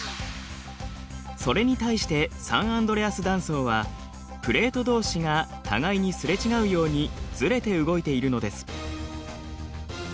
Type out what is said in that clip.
それに対してサンアンドレアス断層はプレートどうしが互いにすれ違うようにずれて動いているのです。